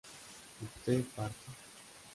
¿Usted parte?